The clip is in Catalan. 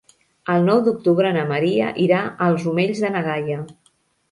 El nou d'octubre na Maria irà als Omells de na Gaia.